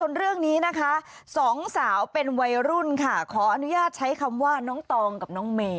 ส่วนเรื่องนี้นะคะสองสาวเป็นวัยรุ่นค่ะขออนุญาตใช้คำว่าน้องตองกับน้องเมย